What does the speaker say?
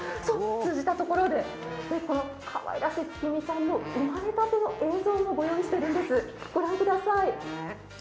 通じたところで、かわいらしいつきみちゃんの生まれたての映像もご用意しています、ご覧ください。